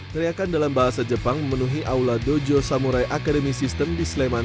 teriakan dalam bahasa jepang memenuhi aula dojo samurai academy system di sleman